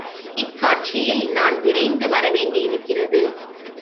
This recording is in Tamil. இக் காட்சியில் நான் விரைந்து வரவேண்டியிருக்கிறது.